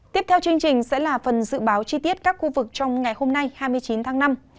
tiếp theo chương trình sẽ là phần dự báo chi tiết các khu vực trong ngày hôm nay hai mươi chín tháng năm